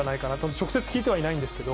直接聞いてはいないんですけど。